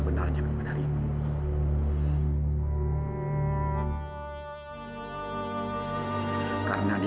aku tahu kalau dia penuh memperkuasa sekretarisnya sendiri